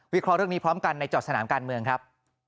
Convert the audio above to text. เคราะห์เรื่องนี้พร้อมกันในจอดสนามการเมืองครับ